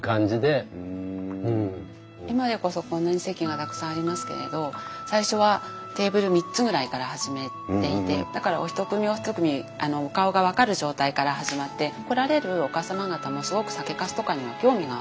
今でこそこんなに席がたくさんありますけれど最初はテーブル３つぐらいから始めていてだからお一組お一組お顔が分かる状態から始まって来られるお母様方もすごく酒かすとかには興味があって。